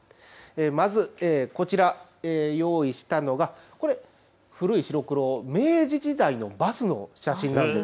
まずこちら、用意したのが古い白黒、明治時代のバスの写真なんです。